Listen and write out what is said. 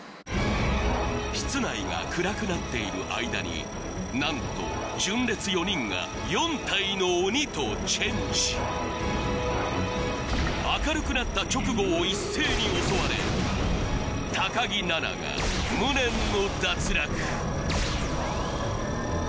室内が暗くなっている間に何と純烈４人が４体の鬼とチェンジ明るくなった直後を一斉に襲われ木菜那が無念の脱落